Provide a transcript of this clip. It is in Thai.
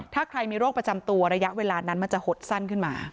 ถ้าใครมีโรคประจำตัวระยะเวลานั้นมันจะหดสั้นขึ้นมา